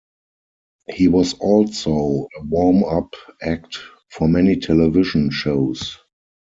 He was also a warm-up act for many television shows.